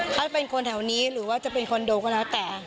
ถ้าเป็นคนแถวนี้หรือว่าจะเป็นคอนโดก็แล้วแต่